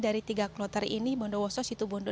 dari tiga kloter ini bondo woso situ bondo